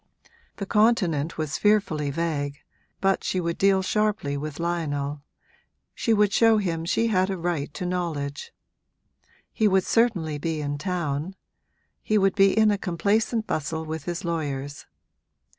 The Continent was fearfully vague, but she would deal sharply with Lionel she would show him she had a right to knowledge. He would certainly be in town; he would be in a complacent bustle with his lawyers.